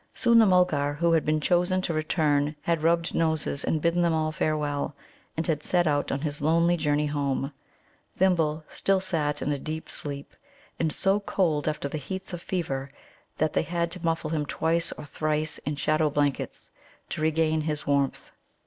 Soon the Mulgar who had been chosen to return had rubbed noses and bidden them all farewell, and had set out on his lonely journey home. Thimble still lay in a deep sleep, and so cold after the heats of fever that they had to muffle him twice or thrice in shadow blankets to regain his warmth.